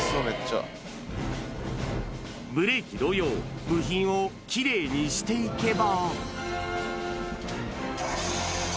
ブレーキ同様、部品をきれいにしていけば。